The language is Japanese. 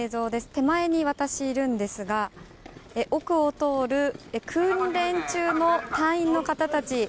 手前に私、いるんですが奥を通る訓練中の隊員の方たち